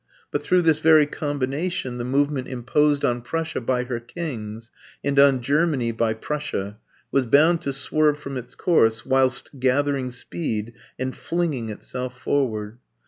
But through this very combination the movement imposed on Prussia by her kings, and on Germany by Prussia, was bound to swerve from its course, whilst gathering speed and flinging itself forward.